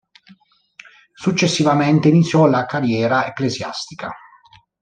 Successivamente iniziò la carriera ecclesiastica.